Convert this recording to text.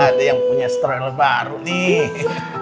ada yang punya strel baru nih